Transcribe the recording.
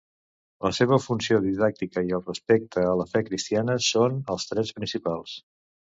La seva funció didàctica i el respecte a la fe cristiana són els trets principals.